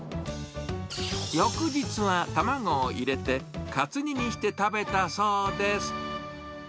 翌日は卵を入れて、かつ煮にして食べたそうです。